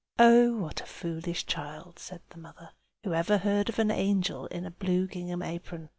"Oh, what a foolish child!" said the mother. "Who ever heard of an angel in a blue gingham apron?"